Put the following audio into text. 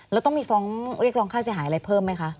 แล้วต้องมีฟ้องเรียกร้องค่าเสียหายอะไรเพิ่มไหมคะ